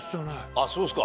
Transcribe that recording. あっそうですか。